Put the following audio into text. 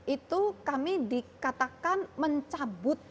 itu kami dikatakan mencabut peringatan dini